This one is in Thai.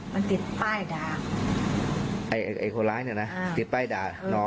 มันติดป้ายด่าไอ้คนร้ายเนี่ยนะติดป้ายด่านอ